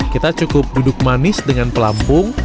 kita cukup duduk manis dengan pelampung